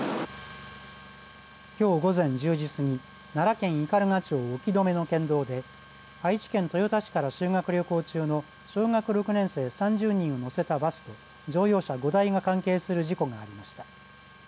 きょう午前１０時過ぎ奈良県斑鳩町興留の県道で愛知県豊田市からの修学旅行中の小学６年生３０人を乗せたバス乗用車５台が関係する事故がありました。